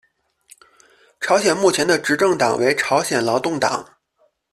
朝鲜目前的执政党为朝鲜劳动党。